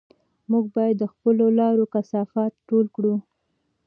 موږ باید د خپلو لارو کثافات ټول کړو.